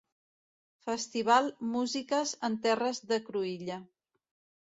Festival Músiques en Terres de Cruïlla.